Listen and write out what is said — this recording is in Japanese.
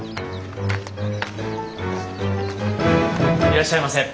いらっしゃいませ。